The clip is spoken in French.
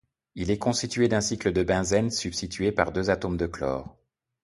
Il est constitué d'un cycle de benzène substitué par deux atomes de chlore.